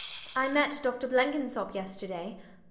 I met Dr Blenkinsop yesterday.